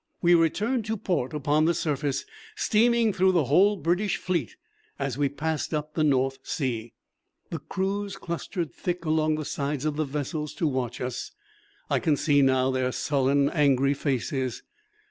We returned to port upon the surface, steaming through the whole British fleet as we passed up the North Sea. The crews clustered thick along the sides of the vessels to watch us. I can see now their sullen, angry faces.